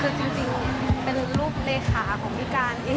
คือจริงเป็นรูปเลขาของพี่การเอง